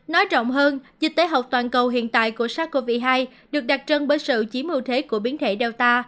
nói rộng hơn dịch tế học toàn cầu hiện tại của sars cov hai được đặc trân bởi sự chí mưu thế của biến thể delta